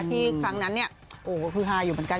ครั้งนั้นเนี่ยโอ้โหคือฮาอยู่เหมือนกัน